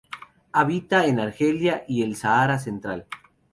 Habita en Argelia y el Sahara Central.